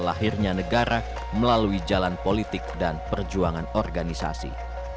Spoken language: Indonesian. lahirnya negara melalui jalan politik dan perjuangan organisasi